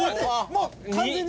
もう完全に。